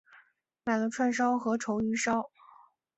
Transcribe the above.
买了串烧和鲷鱼烧